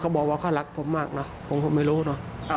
บอกว่าเขารักผมมากนะผมก็ไม่รู้เนอะ